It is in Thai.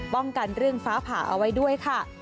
ป้องกันเรื่องฟ้าผ่าเอาไว้ด้วยค่ะ